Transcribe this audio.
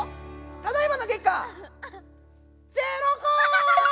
ただいまの結果０個！